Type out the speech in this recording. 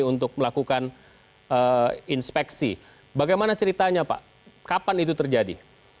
untuk melakukan inspeksi bagaimana ceritanya pak kapan itu terjadi